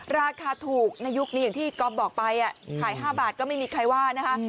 ราคาถูกในยุคนี้อย่างที่ก๊อฟบอกไปขาย๕บาทก็ไม่มีใครว่านะคะ